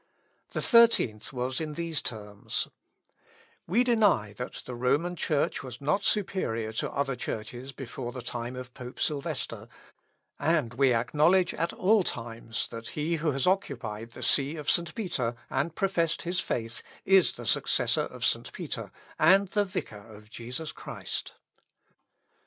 The thirteenth was in these terms: "We deny that the Roman Church was not superior to other Churches before the time of Pope Sylvester; and we acknowledge at all times, that he who has occupied the see of St. Peter and professed his faith, is the successor of St. Peter and the vicar of Jesus Christ."